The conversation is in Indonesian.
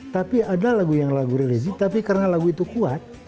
tapi ada lagu yang lagu religi tapi karena lagu itu kuat